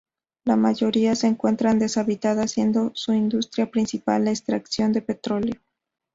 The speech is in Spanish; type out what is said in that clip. La mayoría se encuentran deshabitadas, siendo su industria principal la extracción de petróleo.